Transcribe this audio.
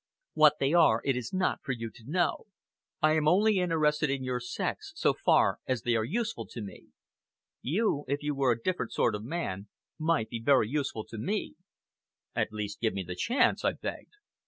What they are it is not for you to know. I am only interested in your sex so far as they are useful to me. You, if you were a different sort of man, might be very useful to me." "At least give me the chance," I begged.